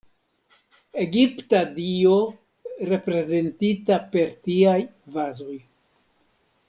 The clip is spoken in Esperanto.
Egipta dio reprezentita per tiaj vazoj.